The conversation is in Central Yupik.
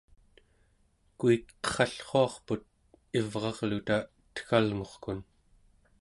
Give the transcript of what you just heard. kuik qerallruarput ivrarluta etgalngurkun